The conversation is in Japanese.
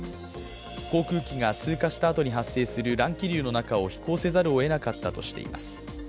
航空機が通過したあとに発生する乱気流の中を飛行せざるを得なかったとしています。